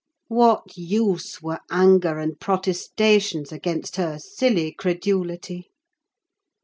What use were anger and protestations against her silly credulity?